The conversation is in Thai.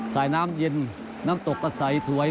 สายน้ำเย็นน้ำตกก็ใสสวย